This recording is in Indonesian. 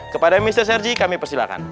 kepada mr sergi kami persilakan